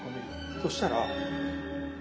そしたら。